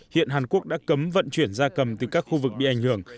hiện hàn quốc đã cấm vận chuyển da cầm từ các khu vực bị ảnh hưởng